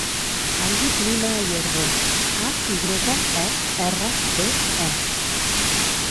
Em dic Nina Ayerbe: a, i grega, e, erra, be, e.